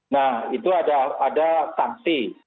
nah itu ada sanksi